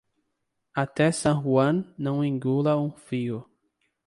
Até San Juan, não engula um fio.